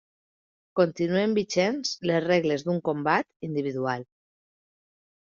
Continuen vigents les regles d'un combat individual.